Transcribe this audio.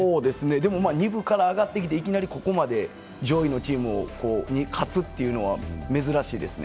でも２部から上がってきていきなりここまで上位のチームに勝つというのは珍しいですね。